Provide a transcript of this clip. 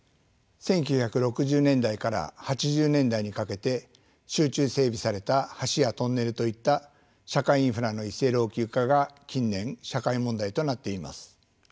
１９６０年代から８０年代にかけて集中整備された橋やトンネルといった社会インフラの一斉老朽化が近年社会問題となっています。